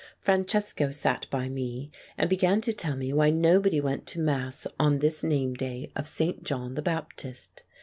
Francesco sat by me, and began to tell me why nobody went to mass on this name day of St. John the Baptist.